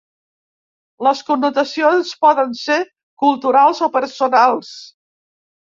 Les connotacions poden ser culturals o personals.